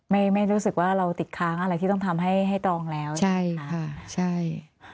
ไม่ไม่รู้สึกว่าเราติดค้างอะไรที่ต้องทำให้ให้ตรองแล้วใช่ค่ะใช่